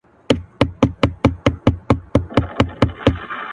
هېر مې شو، چې پیغام ورته وکړم